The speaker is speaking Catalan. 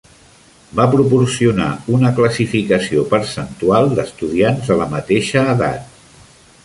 Va proporcionar una classificació percentual d'estudiants de la mateixa edat.